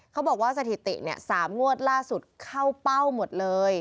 เขาบอกว่าสถิติ๓งวดล่าสุดเข้าเป้าหมดเลย